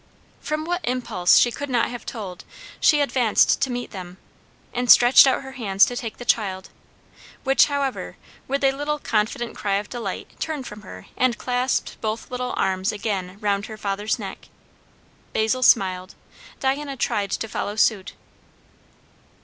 From what impulse she could not have told, she advanced to meet them, and stretched out her hands to take the child, which, however, with a little confident cry of delight, turned from her and clasped both little arms again round her father's neck. Basil smiled; Diana tried to follow suit.